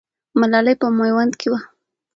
ملالۍ په میوند کې وه.